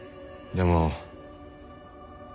でも。